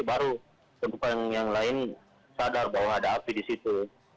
baru penumpang yang lain sadar bahwa ada api di situ